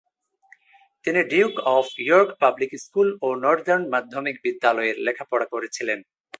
তিনি Duke of York public school ও northern মাধ্যমিক বিদ্যালয়ের লেখাপড়া করেছিলেন।